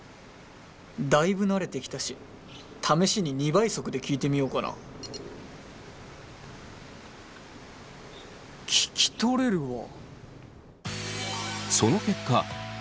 だいぶ慣れてきたし試しに２倍速で聞いてみようかな聞き取れるわ。